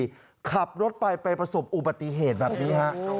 เตรียมนี้ของรถไปไปประสบอุปติเหตุแบบนี้